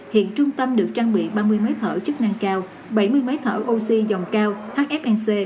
hiện trung tâm được trang bị ba mươi máy thở chức năng cao bảy mươi máy thở oxy dòng cao hfnc